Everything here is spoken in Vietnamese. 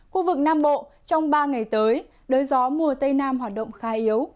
khu vực nam bộ trong ba ngày tới đới gió mùa tây nam hoạt động khá yếu